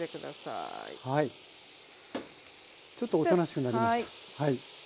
ちょっとおとなしくなりましたはい。